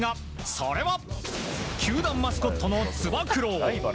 それは球団マスコットのつば九郎。